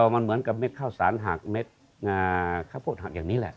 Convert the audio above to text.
มันเหมือนกับเม็ดข้าวสารหักเม็ดข้าวโพดหักอย่างนี้แหละ